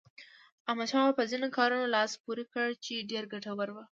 احمدشاه بابا په ځینو کارونو لاس پورې کړ چې ډېر ګټور وو.